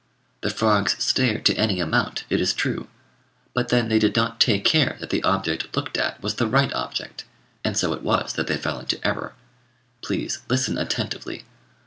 The frogs stared to any amount, it is true; but then they did not take care that the object looked at was the right object, and so it was that they fell into error. Please, listen attentively.